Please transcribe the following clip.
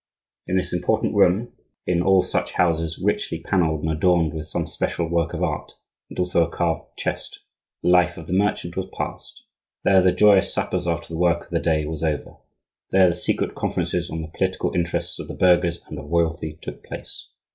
In this important room (in all such houses richly panelled and adorned with some special work of art, and also a carved chest) the life of the merchant was passed; there the joyous suppers after the work of the day was over, there the secret conferences on the political interests of the burghers and of royalty took place.